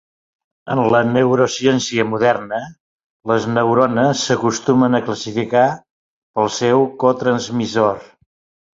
En la neurociència moderna, les neurones s'acostumen a classificar pel seu cotransmissor.